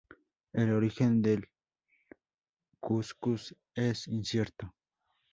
El origen del cuscús es incierto.